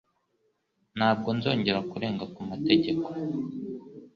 Ntabwo nzongera kurenga ku mategeko.